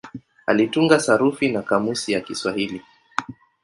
Alitunga sarufi na kamusi ya Kiswahili.